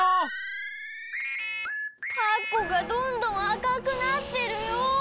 タコがどんどんあかくなってるよ！